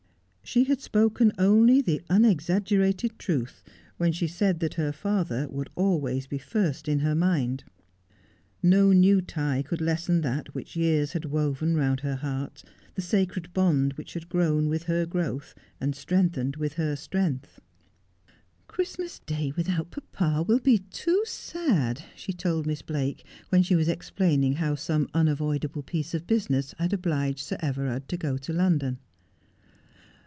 She had spoken only the unexaggerated truth when she said that her father would always be first in her mind. No new tie could lessen that which years had woven round her heart, the sacred bond which had grown with her growth, and strengthened with her strength. ' Christmas Day without papa will be too sad,' she told Miss Blake, when she was explaining how some unavoidable piece of business had obliged Sir Everard to go to London.